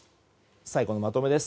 最後のまとめです。